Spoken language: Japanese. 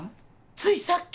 ついさっき。